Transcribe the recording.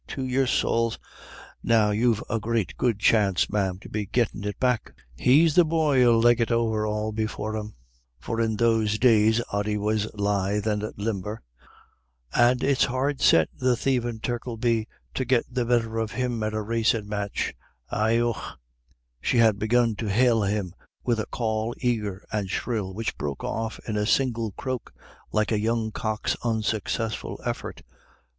To your sowls! Now you've a great good chance, ma'am, to be gettin' it back. He's the boy 'ill leg it over all before him" for in those days Ody was lithe and limber "and it's hard set the thievin' Turk 'ill be to get the better of him at a racin' match Hi Och." She had begun to hail him with a call eager and shrill, which broke off in a strangled croak, like a young cock's unsuccessful effort.